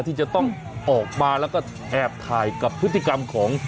ที่จะต้องออกมาแล้วก็แอบถ่ายกับพฤติกรรมของ